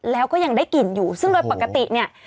แล้วก็ยังได้กลิ่นอยู่ซึ่งโดยปกติเนี่ย